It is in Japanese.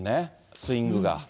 スイングが。